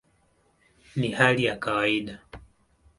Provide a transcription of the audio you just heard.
Ni hali ya kawaida".